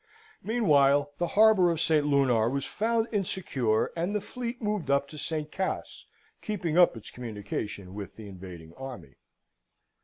Meanwhile the harbour of St. Lunar was found insecure, and the fleet moved up to St. Cas, keeping up its communication with the invading army.